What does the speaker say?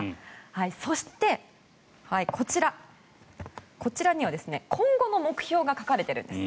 そして、こちらには今後の目標が書かれてるんです。